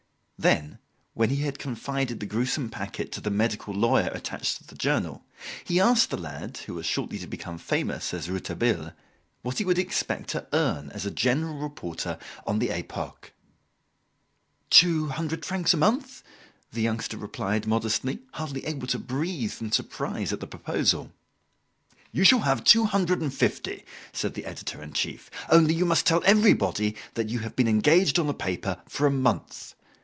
Then, when he had confided the gruesome packet to the medical lawyer attached to the journal, he asked the lad, who was shortly to become famous as Rouletabille, what he would expect to earn as a general reporter on the "Epoque"? "Two hundred francs a month," the youngster replied modestly, hardly able to breathe from surprise at the proposal. "You shall have two hundred and fifty," said the editor in chief; "only you must tell everybody that you have been engaged on the paper for a month.